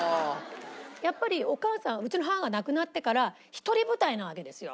やっぱりお母さんうちの母が亡くなってから一人舞台なわけですよ。